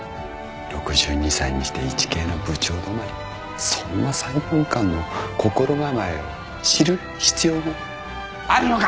「６２歳にしてイチケイの部長止まり」「そんな裁判官の心構えを知る必要があるのか」